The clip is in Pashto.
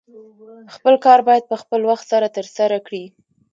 خپل کار باید په خپل وخت سره ترسره کړې